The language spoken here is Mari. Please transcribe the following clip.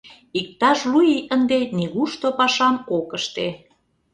Иктаж лу ий ынде нигушто пашам ок ыште.